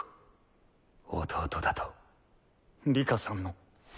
弟だと里佳さんの。